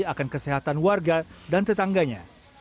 akan kesehatan warga dan tetangganya